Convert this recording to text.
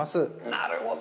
なるほど。